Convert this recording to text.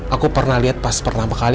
aku pernah lihat pas pertama kali